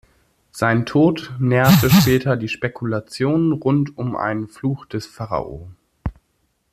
Sein Tod nährte später die Spekulationen rund um einen „Fluch des Pharao“.